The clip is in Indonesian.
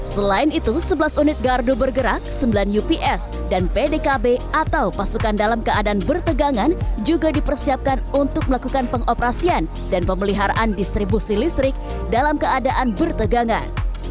selain itu sebelas unit gardu bergerak sembilan ups dan pdkb atau pasukan dalam keadaan bertegangan juga dipersiapkan untuk melakukan pengoperasian dan pemeliharaan distribusi listrik dalam keadaan bertegangan